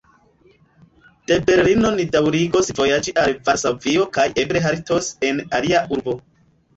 De Berlino ni daŭrigos vojaĝi al Varsovio kaj eble haltos en alia urbo.